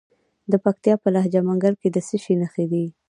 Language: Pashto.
د پکتیا په لجه منګل کې د څه شي نښې دي؟